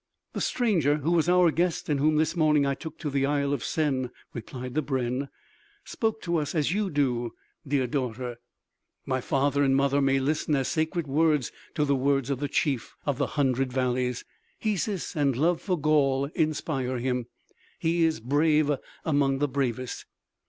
"The stranger who was our guest and whom this morning I took to the Isle of Sen," replied the brenn, "spoke to us as you do, dear daughter." "My father and mother may listen as sacred words to the words of the Chief of the Hundred Valleys. Hesus and love for Gaul inspire him. He is brave among the bravest."